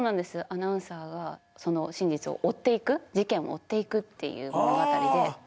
アナウンサーが真実を追っていく事件を追っていくっていう物語で。